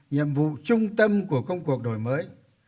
nhiệm vụ trung tâm của công cuộc đổi mới